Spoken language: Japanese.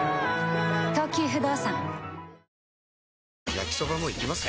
焼きソバもいきます？